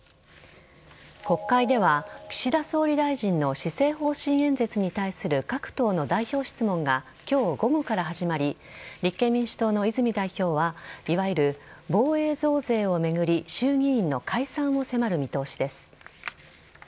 国会では岸田総理大臣の施政方針演説に対する各党の代表質問が今日午後から始まり立憲民主党の泉代表はいわゆる防衛増税を巡り衆議院の解散を迫る見通しです。